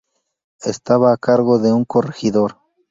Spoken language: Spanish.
Estaba a cargo de un corregidor.